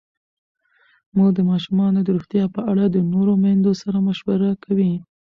مور د ماشومانو د روغتیا په اړه د نورو میندو سره مشوره کوي.